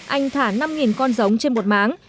anh thả năm con giống trên một máng